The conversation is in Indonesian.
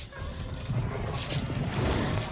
karena dia terluka